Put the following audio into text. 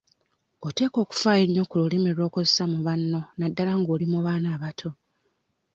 Oteekwa okufaayo ennyo ku lulimi lw'okozesa mu banno naddala nga oli mu baana abato.